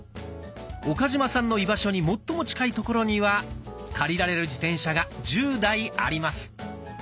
岡嶋さんの居場所に最も近い所には借りられる自転車が１０台あります。